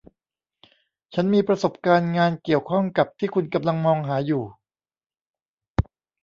ฉันมีประสบการณ์งานเกี่ยวข้องกับที่คุณกำลังมองหาอยู่